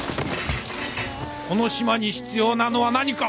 この島に必要なのは何か？